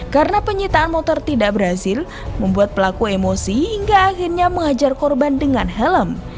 karena penyitaan motor tidak berhasil membuat pelaku emosi hingga akhirnya menghajar korban dengan helm